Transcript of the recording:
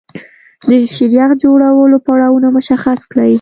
د شیریخ جوړولو پړاوونه مشخص کړئ.